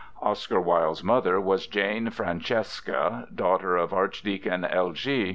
Oscar Wilde's mother was Jane Francesca, daughter of Archdeacon Elgee.